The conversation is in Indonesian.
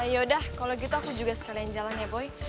yaudah kalo gitu aku juga sekalian jalan ya boy